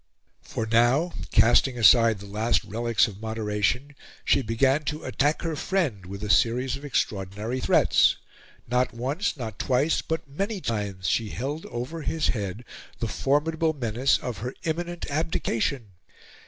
For now, casting aside the last relics of moderation, she began to attack her friend with a series of extraordinary threats. Not once, not twice, but many times she held over his head the formidable menace of her imminent abdication.